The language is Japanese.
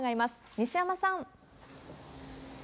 西山さん。